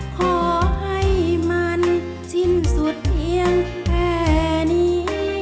ขอให้มันสิ้นสุดเพียงแค่นี้